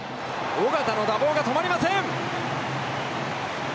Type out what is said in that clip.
尾形の打棒が止まりません！